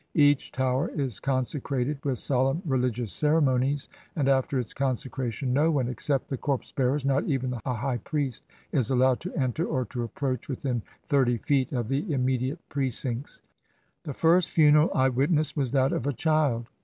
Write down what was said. Each Tower is consecrated with solemn religious cere monies, and after its consecration no one, except the corpse bearers, — not even a high priest, — is allowed to enter, or to approach within thirty feet of the imme diate precincts. The first funeral I witnessed was that of a child.